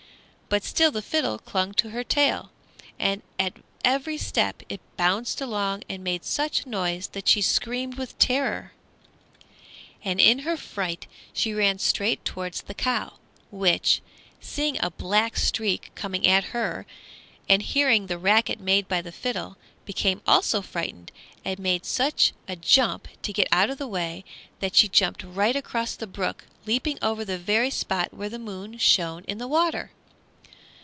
But still the fiddle clung to her tail, and at every step it bounded along and made such a noise that she screamed with terror. And in her fright she ran straight towards the cow, which, seeing a black streak coming at her, and hearing the racket made by the fiddle, became also frightened and made such a jump to get out of the way that she jumped right across the brook, leaping over the very spot where the moon shone in the water!